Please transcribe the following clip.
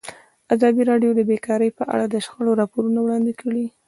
ازادي راډیو د بیکاري په اړه د شخړو راپورونه وړاندې کړي.